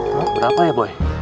berapa ya boy